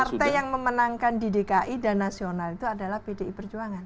partai yang memenangkan di dki dan nasional itu adalah pdi perjuangan